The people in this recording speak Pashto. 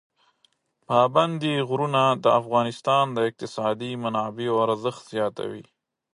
پابندی غرونه د افغانستان د اقتصادي منابعو ارزښت زیاتوي.